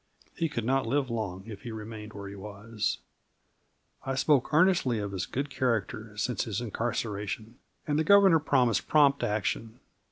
He could not live long if he remained where he was. I spoke earnestly of his good character since his incarceration, and the Governor promised prompt action.